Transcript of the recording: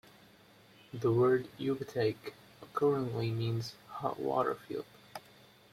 The word Yubatake accordingly means "hot water field".